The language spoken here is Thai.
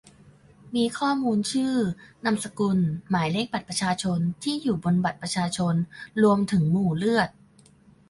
มีข้อมูล ชื่อ นามสกุล หมายเลขบัตรประชาชน ที่อยู่ บนบัตรประชาชน รวมถึงหมู่เลือด